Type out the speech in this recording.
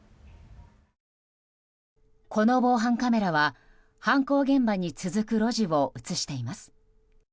この防犯カメラは犯行現場に続く路地を映しています。